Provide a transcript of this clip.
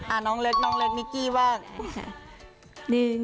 น้องเล็กน้องเล็กนิกกี้บ้าง